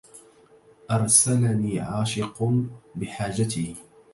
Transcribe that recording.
أرسلني عاشق بحاجته